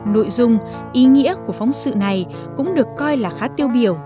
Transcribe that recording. nội dung ý nghĩa của phóng sự này cũng được coi là khá tiêu biểu